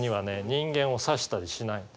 人間を刺したりしない。